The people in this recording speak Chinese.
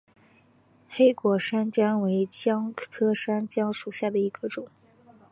黑果山姜为姜科山姜属下的一个种。